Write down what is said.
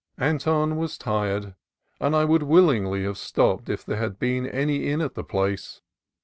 Anton was tired, and I would willingly have stopped if there had been any inn at the place.